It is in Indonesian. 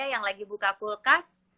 yang lagi buka kulkas